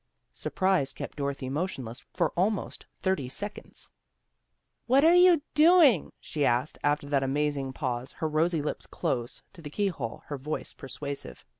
" Surprise kept Dorothy motionless for almost thirty seconds. " What you doing? " she asked, after that amazing pause, her rosy lips close to the key hole, her voice persuasive.